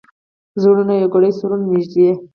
زړونه یو کړو، سرونه نژدې